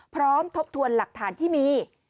พร้อมทบทวนหลักฐานที่มี